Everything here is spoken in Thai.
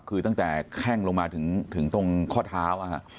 คือตั้งแต่แข้งลงมาถึงตรงข้อเท้า